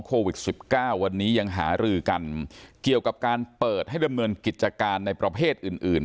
โควิด๑๙วันนี้ยังหารือกันเกี่ยวกับการเปิดให้ดำเนินกิจการในประเภทอื่นอื่น